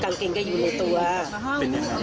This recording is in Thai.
กางกลับก็อยู่ในตัวเป็นยาเป็นสภาพติดใจ